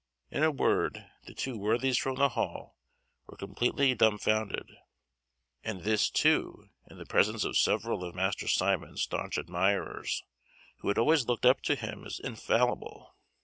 In a word, the two worthies from the Hall were completely dumbfounded, and this, too, in the presence of several of Master Simon's staunch admirers, who had always looked up to him as infallible.